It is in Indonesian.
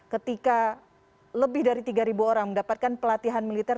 ketika lebih dari tiga orang mendapatkan pelatihan militer